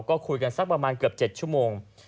ก็คุยกันสักประมาณเกือบ๗ชั่วโมง